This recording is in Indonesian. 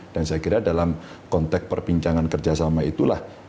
dan saya kira dalam konteks perbincangan kerjasama itulah